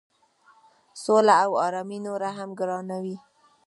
سوله او آرامي نوره هم ګرانوي.